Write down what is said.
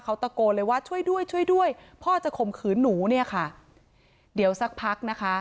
เขาตะโกนเลยว่าช่วยด้วยช่วยด้วยพ่อจะข่มขืนหนูเนี่ยค่ะเดี๋ยวสักพักนะคะ